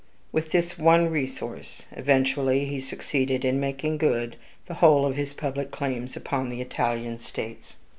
With this one resource, eventually he succeeded in making good the whole of his public claims upon the Italian states.